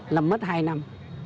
là mất hai năm